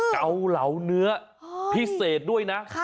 เกาเหลาเนื้อพิเศษด้วยนะ